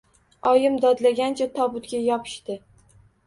Oyim dodlagancha tobutga yopishdi.